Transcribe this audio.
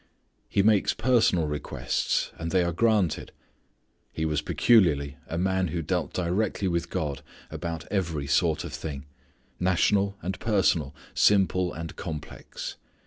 He makes personal requests and they are granted. He was peculiarly a man who dealt directly with God about every sort of thing, national and personal, simple and complex.